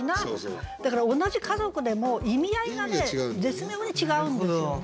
だから同じ「家族」でも意味合いがね絶妙に違うんですよね。